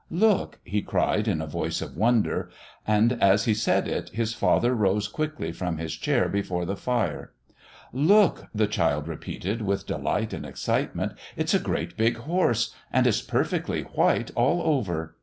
"Look!" he cried in a voice of wonder. And as he said it his father rose quickly from his chair before the fire. "Look!" the child repeated with delight and excitement. "It's a great big horse. And it's perfectly white all over."